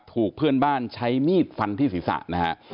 ถูกเพื่อนบ้านใช้มีดฟันที่ศีรษะนะฮะ